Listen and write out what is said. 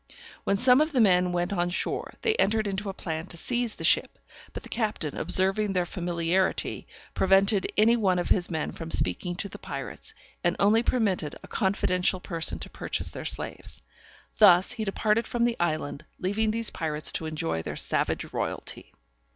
When some of the men went on shore, they entered into a plan to seize the ship, but the captain observing their familiarity, prevented any one of his men from speaking to the pirates, and only permitted a confidential person to purchase their slaves. Thus he departed from the island, leaving these pirates to enjoy their savage royalty.